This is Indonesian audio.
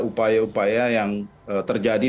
upaya upaya yang terjadi